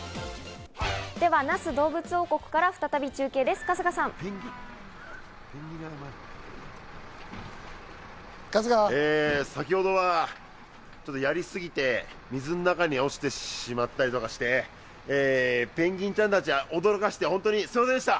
では、那須どうぶつ王国から再び中継です、春日さん！え、先ほどはやりすぎて、水の中に落ちてしまったりとかして、ペンギンちゃんたちを驚かせて本当にすみませんでした！